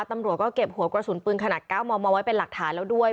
ตำรวจก็เก็บหัวกระสุนปืนขนาด๙มมมาไว้เป็นหลักฐานแล้วด้วย